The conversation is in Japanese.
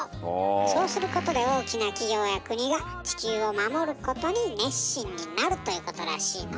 そうすることで大きな企業や国が地球を守ることに熱心になるということらしいの。